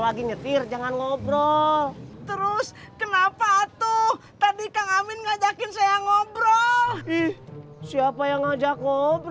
lagi nyetir jangan ngobrol terus kenapa tuh tadi kang amin ngajakin saya ngobrol siapa yang ngajak ngobrol